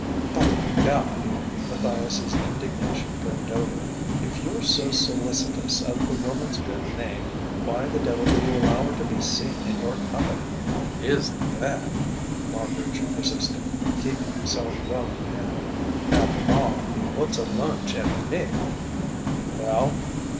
"By God!" Matthias's indignation brimmed over. "If you're so solicitous of the woman's good name, why the devil do you allow her to be seen in your company?" "It isn't that," Marbridge persisted, keeping himself well in hand. "After all, what's a lunch at the Knick?" "Well